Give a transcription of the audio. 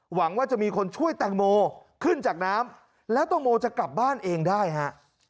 หวังว่าจะมีคนช่วยแตงโมขึ้นจากน้ำแล้วแตงโมจะกลับบ้านเองได้ฮะ